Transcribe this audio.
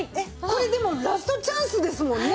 これでもラストチャンスですもんね。